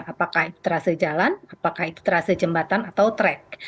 apakah terase jalan apakah itu terase jembatan atau track